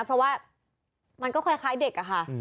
เพราะว่ามันก็คล้ายเด็กอะค่ะ